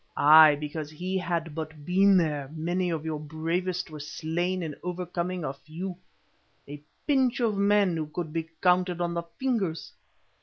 Ay, because he had but been there many of your bravest were slain in overcoming a few—a pinch of men who could be counted on the fingers.